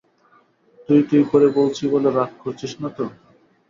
তুই তুই করে বলছি বলে রাগ করছিস না তো?